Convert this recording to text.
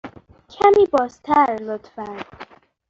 کمی بازتر، لطفاً.